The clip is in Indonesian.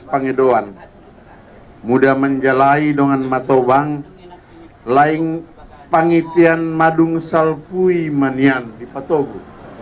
pangidoan muda menjalai dengan mato bang laing pangitian madung selfuy manian di patogu